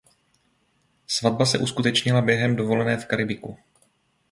Svatba se uskutečnila během dovolené v Karibiku.